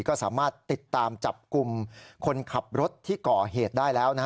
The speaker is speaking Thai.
ก็สามารถติดตามจับกลุ่มคนขับรถที่ก่อเหตุได้แล้ว